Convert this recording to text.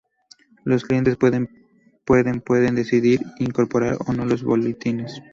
Los clientes pueden pueden decidir si incorporar o no los boletines.